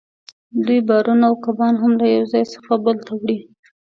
دوی بارونه او کبان هم له یو ځای څخه بل ته وړي